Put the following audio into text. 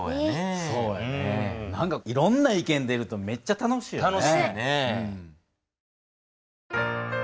何かいろんな意見出るとめっちゃ楽しいよね。